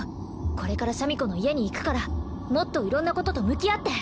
これからシャミ子の家に行くからもっと色んなことと向き合って